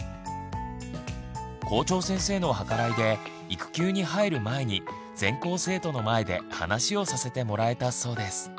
校長先生の計らいで育休に入る前に全校生徒の前で話をさせてもらえたそうです。